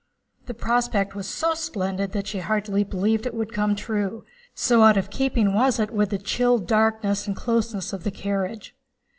The prospect was so splendid that she hardly believed it would come true, so out of keeping was it with the chill darkness and closeness of the carriage.